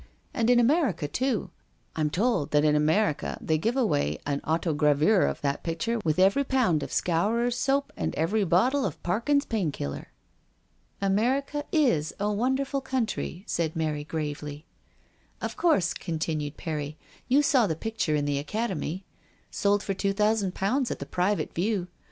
And in America, too. I'm told that in America they give away an autogravure of that pic ture with every pound of Scourer's Soap and every bottle of Parkins' Pain killer." "America is a wonderful country," said Mary gravely. "Of course," continued Perry, "you've seen my big picture in the Academy. Sold for two thousand pounds, at the Private View.